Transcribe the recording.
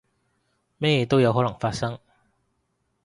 咩都有可能發生